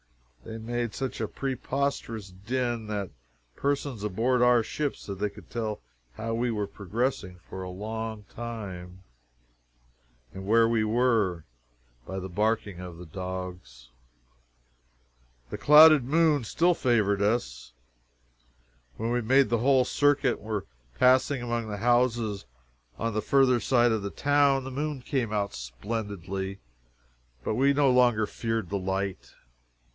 They made such a preposterous din that persons aboard our ship said they could tell how we were progressing for a long time, and where we were, by the barking of the dogs. The clouded moon still favored us. When we had made the whole circuit, and were passing among the houses on the further side of the town, the moon came out splendidly, but we no longer feared the light.